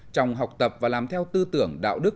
trong học tập và làm theo tư tưởng đạo đức